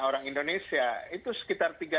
orang indonesia itu sekitar